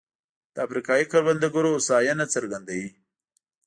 د افریقايي کروندګرو هوساینه څرګندوي.